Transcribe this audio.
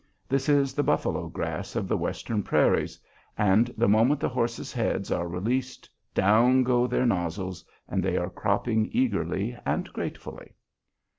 This is the buffalo grass of the Western prairies, and the moment the horses' heads are released down go their nozzles, and they are cropping eagerly and gratefully.